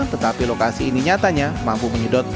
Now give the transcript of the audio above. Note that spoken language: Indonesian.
tetapi lokasi ini nyatanya mampu menyedot